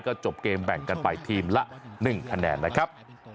ก็จบเกมแบ่งกันไปทีมละ๑คะแนนนะครับ